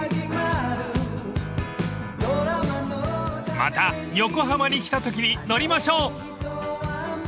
［また横浜に来たときに乗りましょう］